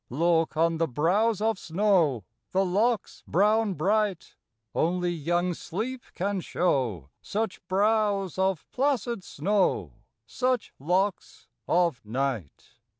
Look on the brows of snow, The locks brown bright; Only young sleep can show Such brows of placid snow, Such locks of night.